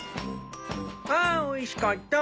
あおいしかった。